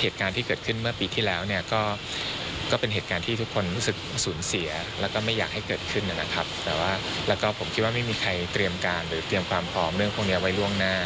เหตุการณ์ที่เกิดขึ้นเมื่อปีที่แล้วเนี่ยก็เป็นเหตุการณ์ที่ทุกคนรู้สึกสูญเสียแล้วก็ไม่อยากให้เกิดขึ้นนะครับแต่ว่าแล้วก็ผมคิดว่าไม่มีใครเตรียมการหรือเตรียมความพร้อมเรื่องพวกนี้ไว้ล่วงหน้า